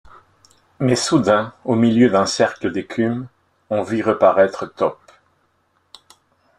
Mais soudain, au milieu d’un cercle d’écume, on vit reparaître Top.